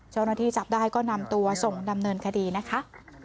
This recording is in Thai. เจ้าหน้าที่จับได้ก็นำตัวส่งดำเนินคดีนะคะ